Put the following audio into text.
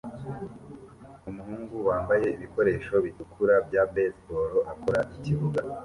Umuhungu wambaye ibikoresho bitukura bya baseball akora ikibuga